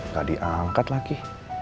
gak diangkat lagi